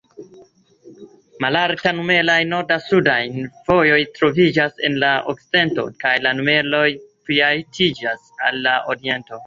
Malalt-numeraj nord-sudaj vojoj troviĝas en la okcidento, kaj la numeroj plialtiĝas al la oriento.